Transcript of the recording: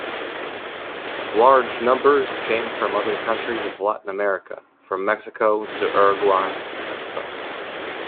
Large numbers came from other countries of Latin America from Mexico to Uruguay, esp.